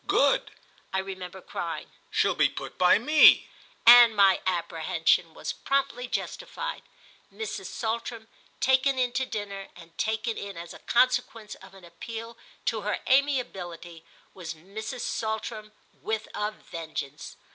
"Good!" I remember crying, "she'll be put by me;" and my apprehension was promptly justified. Mrs. Saltram taken in to dinner, and taken in as a consequence of an appeal to her amiability, was Mrs. Saltram with a vengeance.